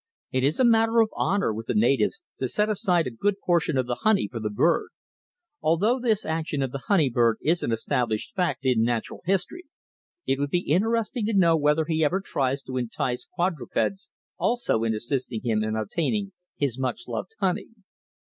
It is a matter of honour with the natives to set aside a good portion of the honey for the bird. Although this action of the honey bird is an established fact in natural history, it would be interesting to know whether he ever tries to entice quadrupeds also in assisting him in obtaining his much loved honey.